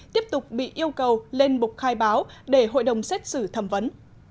tiếp tục bị yêu cầu lên bục khai báo để hội đồng xét xử thẩm vấn